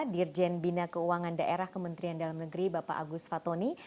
dirjen bina keuangan daerah kementerian dalam negeri bapak agus fatoni